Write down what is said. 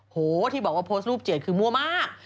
โหที่บอกว่าโพสต์รูปเจ็ดคือมั่วมาก